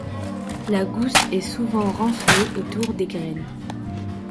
La gousse est souvent renflée autour des graines.